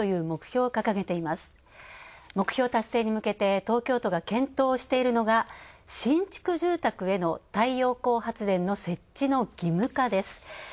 目標達成に向けて、東京都が検討しているのが新築住宅への太陽光発電の設置の義務化です。